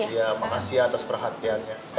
iya makasih atas perhatiannya